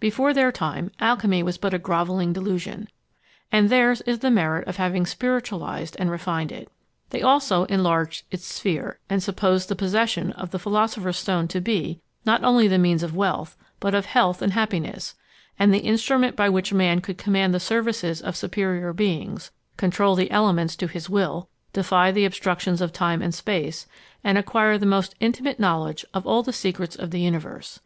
Before their time, alchymy was but a grovelling delusion; and theirs is the merit of having spiritualised and refined it. They also enlarged its sphere, and supposed the possession of the philosopher's stone to be, not only the means of wealth, but of health and happiness, and the instrument by which man could command the services of superior beings, control the elements to his will, defy the obstructions of time and space, and acquire the most intimate knowledge of all the secrets of the universe.